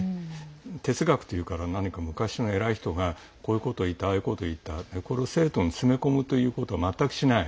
哲学というから昔の偉い人がこういうこといったああいうこといったこれを生徒に詰め込むっていうことを全くしない。